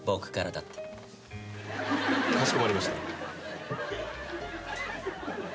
かしこまりました。